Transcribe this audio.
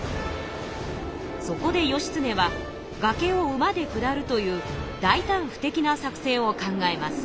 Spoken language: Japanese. そこで義経は崖を馬で下るという大たん不敵な作戦を考えます。